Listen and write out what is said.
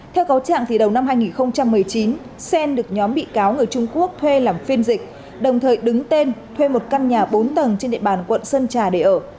theo cáo trạng đầu năm hai nghìn một mươi chín xen được nhóm bị cáo người trung quốc thuê làm phiên dịch đồng thời đứng tên thuê một căn nhà bốn tầng trên địa bàn quận sơn trà để ở